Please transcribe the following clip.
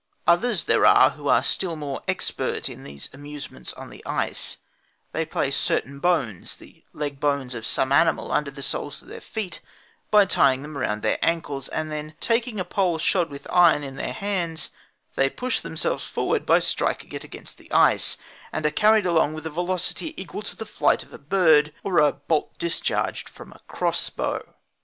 Others there are who are still more expert in these amusements on the ice; they place certain bones, the leg bones of some animal, under the soles of their feet by tying them round their ankles, and, then, taking a pole shod with iron into their hands, they push themselves forward by striking it against the ice, and are carried along with a velocity equal to the flight of a bird, or a bolt discharged from a cross bow.